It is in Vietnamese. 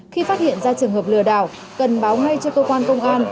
khi phát hiện ra trường hợp lừa đảo cần báo ngay cho cơ quan công an